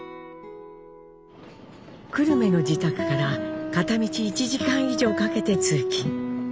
久留米の自宅から片道１時間以上かけて通勤。